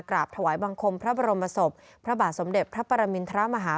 กราบถวายบังคมพระบรมศพพระบาทสมเด็จพระปรมินทรมาฮา